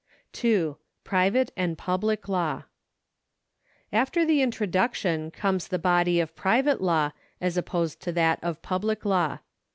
2. Private and Public Law. After the Introduction comes the body of Private Law as opposed to that of Public Law.